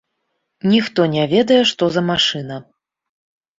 Ніхто не ведае, што за машына.